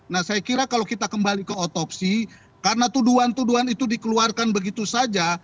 nah saya kira kalau kita kembali ke otopsi karena tuduhan tuduhan itu dikeluarkan begitu saja